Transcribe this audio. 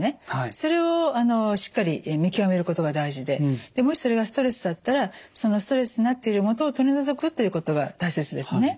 それをしっかり見極めることが大事でもしそれがストレスだったらそのストレスになっている元を取り除くということが大切ですね。